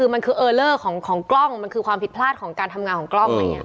มันคือเออเลอร์ของกล้องมันคือความผิดพลาดของการทำงานของกล้องไหม